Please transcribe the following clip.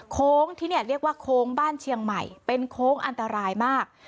โค้งที่เนี่ยเรียกว่าโค้งบ้านเชียงใหม่เป็นโค้งอันตรายมาก